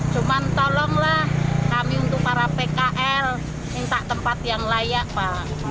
cuman tolonglah kami untuk para pkl minta tempat yang layak pak